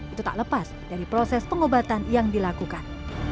itu tak lepas dari proses pengobatan yang dilakukan